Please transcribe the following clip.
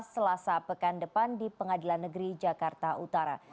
selasa pekan depan di pengadilan negeri jakarta utara